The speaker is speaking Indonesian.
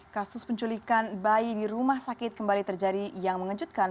kasus penculikan bayi di rumah sakit kembali terjadi yang mengejutkan